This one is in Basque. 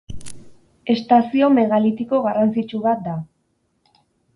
Estazio megalitiko garrantzitsu bat da.